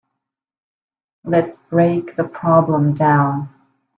Let's break the problem down.